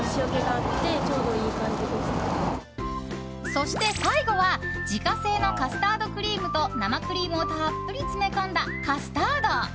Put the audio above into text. そして最後は自家製のカスタードクリームと生クリームをたっぷり詰め込んだカスタード。